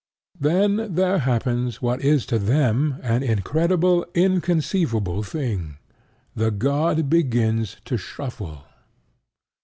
Then there happens what is to them an incredible, inconceivable thing. The god begins to shuffle.